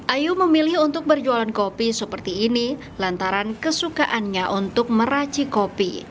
ayu memilih untuk berjualan kopi seperti ini lantaran kesukaannya untuk meraci kopi